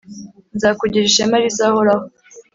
nzakugira ishema rizahoraho,